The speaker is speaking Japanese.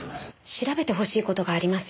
調べてほしい事があります。